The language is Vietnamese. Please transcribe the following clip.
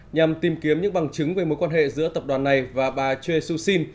nhằm tìm kiếm những bằng chứng về mối quan hệ giữa tập đoàn này và bà choi soo shin